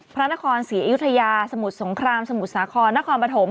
พระนครศรีอยุธยาสมุทรสงครามสมุทรสาครนครปฐม